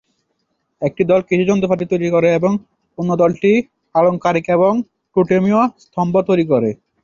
একটি দল কৃষি যন্ত্রপাতি তৈরি করে এবং অন্য দলটি আলংকারিক এবং টোটেমীয় স্তম্ভ তৈরি করে।